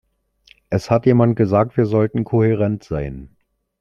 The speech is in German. Es hat jemand gesagt, wir sollten kohärent sein.